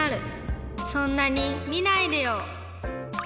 そんなにみないでよ。